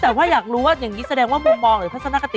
แต่ว่าอยากรู้สิแสดงว่ามุมมองหรือภาษณกติ